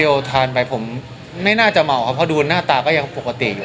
โอทานไปผมไม่น่าจะเมาครับเพราะดูหน้าตาก็ยังปกติอยู่